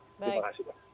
terima kasih pak